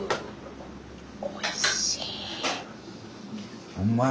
おいしい！